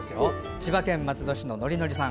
千葉県松戸市の、のりのりさん。